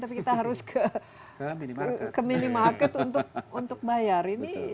tapi kita harus ke minimarket untuk bayar